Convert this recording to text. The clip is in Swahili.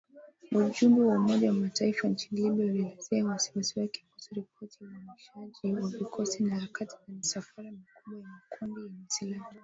Ujumbe wa Umoja wa Mataifa nchini Libya ulielezea wasiwasi wake kuhusu ripoti ya uhamasishaji wa vikosi na harakati za misafara mikubwa ya makundi yenye silaha.